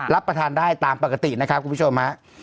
รับประทานได้ตามปกตินะครับคุณผู้ชมฮะ